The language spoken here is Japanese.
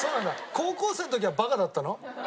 高校生の時はバカだったの？